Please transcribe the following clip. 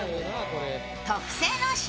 特製の塩